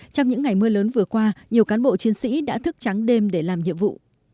trong những ngày mưa lớn vừa qua nhiều cán bộ chiến sĩ đã thức trắng đêm để làm nhiệm vụ